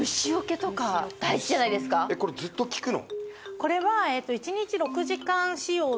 これ、ずっき効くの？